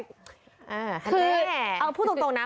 คือเอาพูดตรงนะ